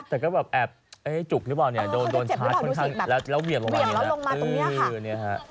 แต่ก็แบบแอบให้จุกหรือเปล่าโดนชาร์จค่อนข้างแล้วเหวี่ยงลงมาตรงนี้ค่ะ